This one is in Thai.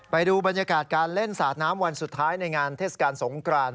ไปดูบรรยากาศการเล่นสาดน้ำวันสุดท้ายในงานเทศกาลสงกราน